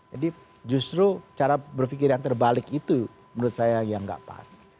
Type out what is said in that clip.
jadi justru cara berpikir yang terbalik itu menurut saya yang gak pas